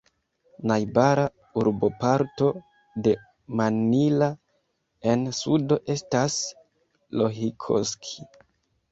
Najbara urboparto de Mannila en sudo estas Lohikoski.